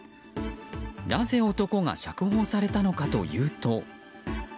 なぜ男が釈放されたのかというと。